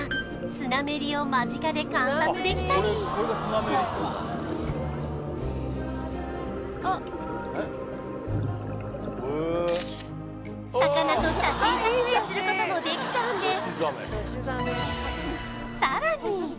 スナメリを間近で観察できたり魚と写真撮影することもできちゃうんです！